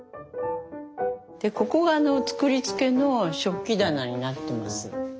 ここが作りつけの食器棚になってます。